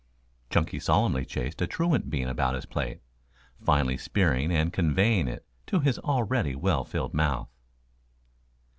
Chunky solemnly chased a truant bean about his plate, finally spearing and conveying it to his already well filled mouth.